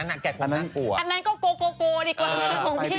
อันนั้นก็โกโกดีกว่าของพี่